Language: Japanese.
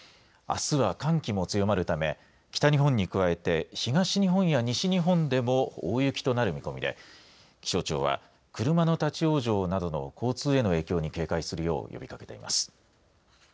あすは寒気も強まるため北日本に加えて東日本や西日本でも大雪となる見込みで気象庁は車の立往生などの交通への影響に警戒するよう呼びかけています。